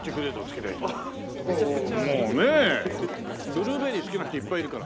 ブルーベリー好きな人いっぱいいるから。